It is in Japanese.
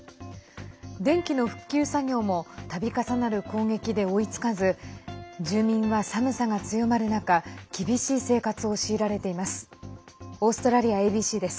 電気の復旧作業もたび重なる攻撃で追いつかず住民は寒さが強まる中厳しい生活を強いられています。